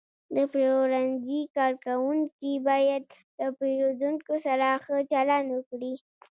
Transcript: د پلورنځي کارکوونکي باید له پیرودونکو سره ښه چلند وکړي.